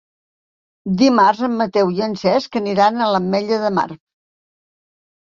Dimarts en Mateu i en Cesc aniran a l'Ametlla de Mar.